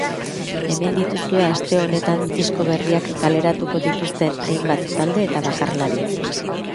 Hemen dituzue aste honetan disko berriak kaleratuko dituzten hainbat talde eta bakarlari.